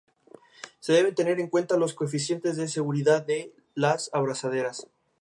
Había tratado asiduamente a Dámaso y trabajado bajo su influjo en Roma.